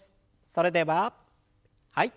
それでははい。